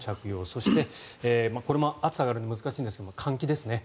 そして、これも暑さがあるので難しいですが換気ですね。